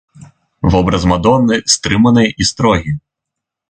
Вобраз мадонны стрыманы і строгі.